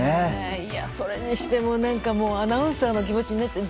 それにしても、アナウンサーの気持ちになっちゃう。